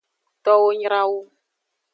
Towo nyra wu.